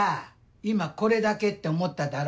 今「これだけ？」って思っただろ。